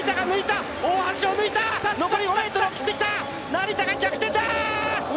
成田が逆転だ！